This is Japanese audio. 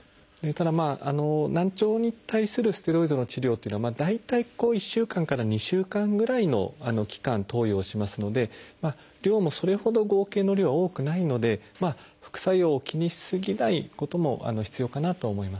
ただ難聴に対するステロイドの治療っていうのは大体１週間から２週間ぐらいの期間投与をしますので量もそれほど合計の量は多くないので副作用を気にし過ぎないことも必要かなと思います。